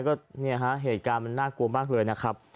ก็เนี่ยฮะเหตุการณ์มันน่ากลัวมากเลยนะครับ